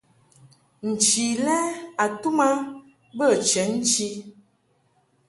Nchi lɛ a tum a bə chenchi.